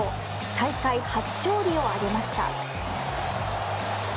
大会初勝利を挙げました。